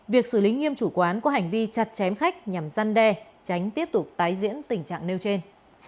việc xử lý nghiêm chủ quán có hành vi chặt chém khách nhằm gian đe tránh tiếp tục tái diễn tình trạng nêu trên